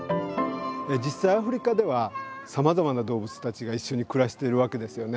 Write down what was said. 実際アフリカではさまざまな動物たちがいっしょに暮らしているわけですよね。